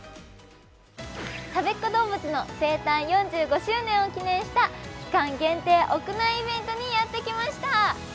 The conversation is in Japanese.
たべっ子どうぶつの生誕４５周年を記念した期間限定屋内イベントにやってきました。